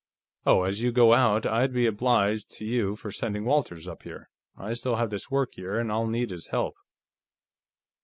Oh, as you go out, I'd be obliged to you for sending Walters up here. I still have this work here, and I'll need his help."